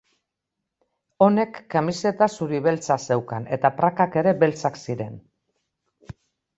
Honek kamiseta zuri beltza zeukan eta prakak ere beltzak ziren.